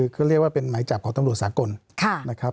คือเรียกว่าเป็นหมายจับของตำรวจสากลนะครับ